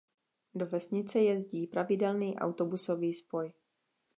Do vesnice jezdí pravidelný autobusový spoj.